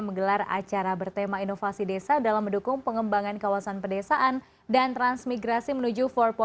menggelar acara bertema inovasi desa dalam mendukung pengembangan kawasan pedesaan dan transmigrasi menuju empat